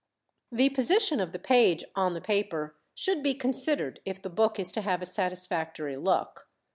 The position of the page on the paper should be considered if the book is to have a satisfactory look.